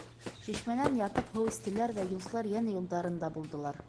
Шишмәнән ятып һыу эстеләр ҙә юлсылар йәнә юлдарында булдылар.